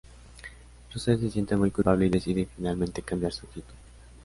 Rosetta se siente muy culpable y decide finalmente cambiar su actitud.